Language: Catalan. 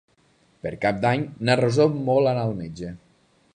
Per Cap d'Any na Rosó vol anar al metge.